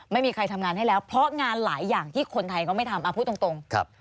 ไม่มีใครทำงานให้แล้วเพราะงานหลายอย่างที่คนไทยเขาไม่ทำพูดตรง